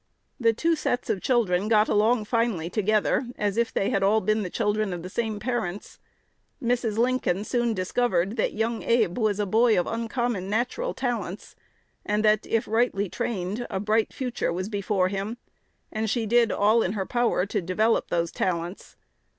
The two sets of children got along finely together, as if they had all been the children of the same parents. Mrs. Lincoln soon discovered that young Abe was a boy of uncommon natural talents, and that, if rightly trained, a bright future was before him, and she did all in her power to develop those talents."